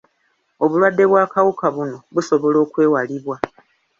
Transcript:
Obulwadde bw'akawuka buno busobola okwewalibwa.